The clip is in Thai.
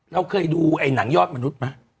เราเคยดูไอ้หนังยอดมนุษย์ไหม